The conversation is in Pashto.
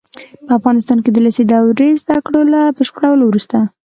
په افغانستان کې د لېسې دورې زده کړو له بشپړولو وروسته